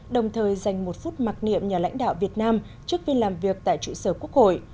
đồng thời dành một phút mặc niệm nhà lãnh đạo việt nam trước viên làm việc tại trụ sở quốc hội